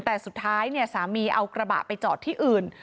แต่สุดท้ายสามีเอากระบะไปจอดที่อื่น